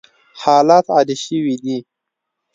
حالات عادي شوي دي.